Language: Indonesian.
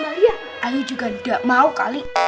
amalia ayu juga nggak mau kali